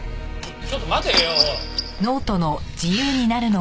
ちょっと待てよ！